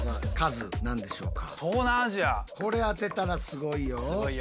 これ当てたらすごいよ。